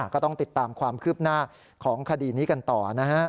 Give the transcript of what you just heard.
ก็ต้องติดตามความคืบหน้าของคดีนี้กันต่อนะฮะ